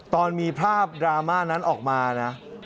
ตอนมีภาพดราม่านั้นออกมานะ